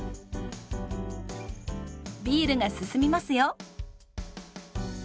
ビールが進みますよ！